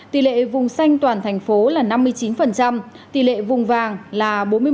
tỷ lệ vùng xanh toàn thành phố là năm mươi chín tỷ lệ vùng vàng là bốn mươi một